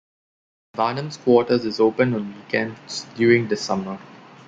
Varnum's quarters is open on weekends during the summer.